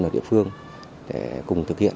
ở địa phương để cùng thực hiện